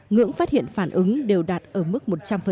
ngưỡng phát hiện phản ứng đều đạt ở mức một trăm linh